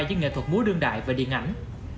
với nghệ thuật múa đương đại và điện ảnh